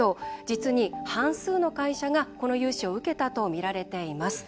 実に、半数の会社がこの融資を受けたとみられています。